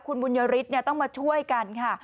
คุณบุญยฤทธิ์ต้องมาช่วยกันค่ะ